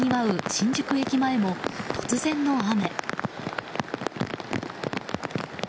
新宿駅前も突然の雨。